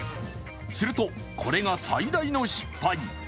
すると、これが最大の失敗。